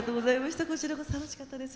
こちらこそ楽しかったです。